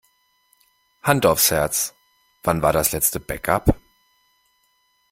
Hand aufs Herz: Wann war das letzte Backup?